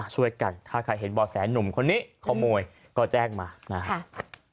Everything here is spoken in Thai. ช่วยกันถ้าใครเห็นบ่อแสหนุ่มคนนี้ขโมยก็แจ้งมานะครับ